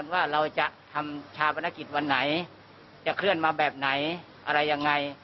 ว่าเราจะทำชาปนกิจวันไหนจะเคลื่อนมาแบบไหนอะไรยังไง